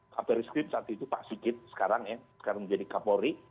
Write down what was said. kabar reskrim saat itu pak sigit sekarang ya sekarang menjadi kapolri